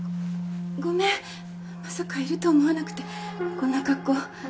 ごめんまさかいると思わなくてこんな格好。